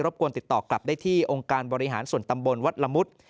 กวนติดต่อกลับได้ที่องค์การบริหารส่วนตำบลวัดละมุด